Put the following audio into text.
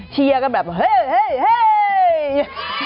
เชียร์กันแบบเฮ้ยเฮ้ยเฮ้ย